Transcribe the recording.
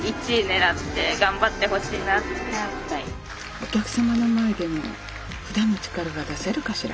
お客様の前でもふだんの力が出せるかしら。